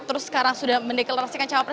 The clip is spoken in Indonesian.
terus sekarang sudah mendeklarasikan cawapres